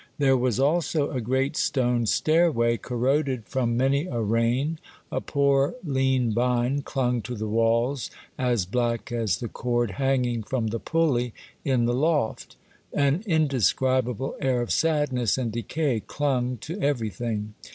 There was also a great stone stairway, corroded from many a rain ; a poor lean vine clung to the walls, as black as the cord hanging from the pulley in the loft ; an indescribable air of sadness and decay clung to everything.